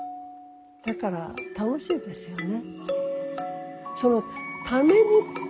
だから楽しいですよね。